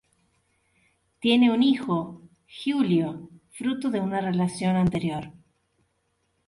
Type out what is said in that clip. Tiene un hijo, Giulio, fruto de una relación anterior.